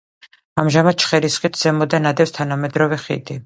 ამჟამად ჩხერის ხიდს ზემოდან ადევს თანამედროვე ხიდი.